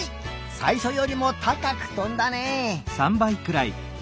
さいしょよりもたかくとんだねえ。